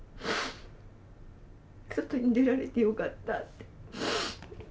外に出られてよかったって。